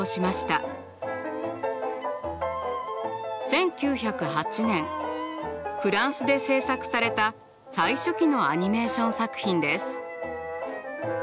１９０８年フランスで制作された最初期のアニメーション作品です。